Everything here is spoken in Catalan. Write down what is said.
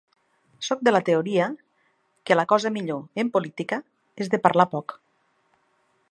Soc de la teoria que la cosa millor, en política, és de parlar poc.